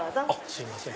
すいません。